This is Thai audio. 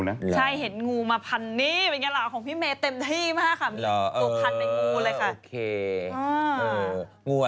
ก็น่าจะเป็นงูนะ